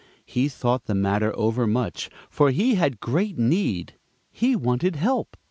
He thought the matter over much, for he had great need. He wanted help.